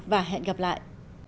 và hẹn gặp lại